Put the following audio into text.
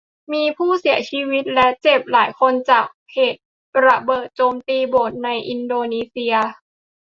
มีผู้เสียชีวิตและเจ็บหลายคนจากเหตุระเบิดโจมตีโบสถ์ในอินโดนีเซีย